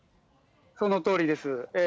そのとおりです。